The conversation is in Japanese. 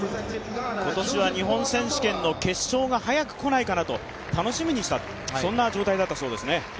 今年は日本選手権の決勝が早くこないかなと楽しみにしたとそんな状態だったそうですね。